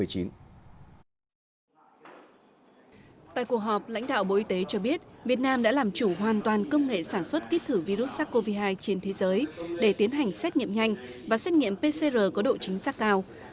tại cuộc họp lãnh đạo bộ y tế cho biết việt nam đã làm chủ hoàn toàn công nghệ sản xuất kít thử virus sars cov hai trên thế giới để tiến hành xét nghiệm nhanh và xét nghiệm pcr có độ chính xác cao